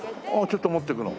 ちょっと持って行くの？